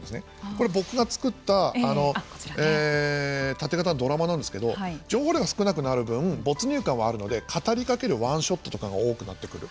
これ、僕が作ったタテ型のドラマなんですけど情報量が少なくなる分没入感はあるので語りかけるワンショットが多くなってくる。